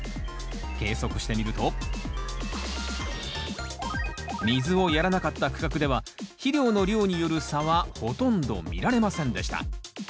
計測してみると水をやらなかった区画では肥料の量による差はほとんど見られませんでした。